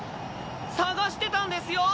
捜してたんですよ！